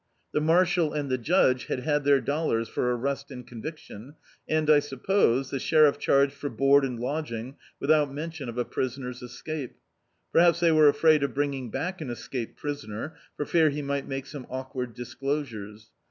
The Marshal and the Judge had had their dollars for arrest and conviction, and I suppose, the sheriff chaigcd for board and lodging, without men tion of a prisoner's escape. Perhaps they were afraid of brining back an escaped prisoner, for fear he might make some awkward disclosures.